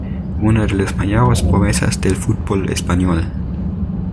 Una de las mayores promesas del fútbol español.